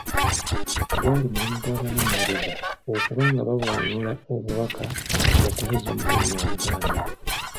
Gwali mulimu gw’abanooyereza okuba nga bavvuunula obubaka okubuzza mu lulimi Oluganda.